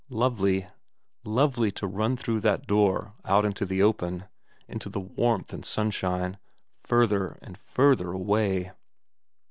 Lovely, lovely to run through that door out into the open, into the warmth and sunshine, further and further away.